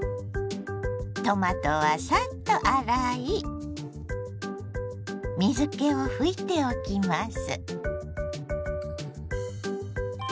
トマトはサッと洗い水けを拭いておきます。